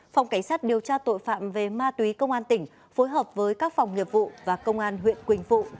phòng cảnh sát điều tra tội phạm về ma túy công an tỉnh phối hợp với các phòng nghiệp vụ và công an huyện quỳnh phụ